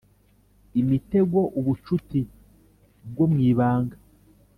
Imitego ubucuti bwo mu ibanga